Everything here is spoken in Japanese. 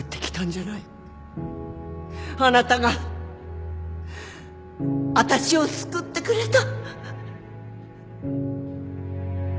あなたが私を救ってくれた。